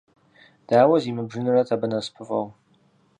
Дауэ зимыбжыжынрэт абы насыпыфӀэу!